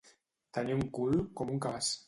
Tenir un cul com un cabàs.